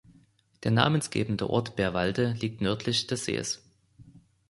Der namensgebende Ort Bärwalde liegt nördlich des Sees.